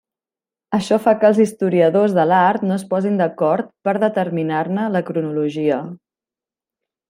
Això fa que els historiadors de l'art no es posin d'acord per determinar-ne la cronologia.